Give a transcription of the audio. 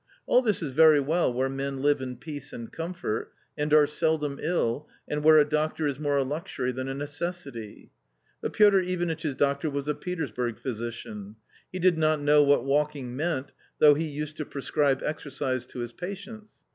All this is very well where men live in peace and comfort, and are seldom ill, and where a doctor isiaQre a luxury than a necessity, /^ut Piotrlvanitch's flo ctonwas a Petersburg physiciaa ' He^iJTRTl kuuw what walking meant, though he ""Used "to prescribe exercise to his patients.